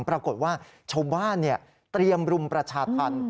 ปรากฏว่าชาวบ้านเตรียมรุมประชาธรรม